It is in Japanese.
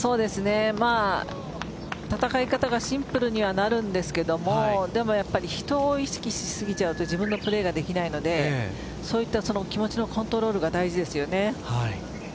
戦い方がシンプルにはなるんですが人を意識し過ぎちゃうと自分のプレーができないのでそういった気持ちのコントロールが大事ですよね。